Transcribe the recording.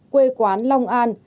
quê quán long an